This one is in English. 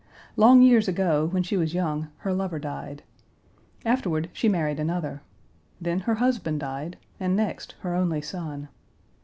Long years ago, when she was young, her lover died. Afterward, she married another. Then her husband died, and next her only son.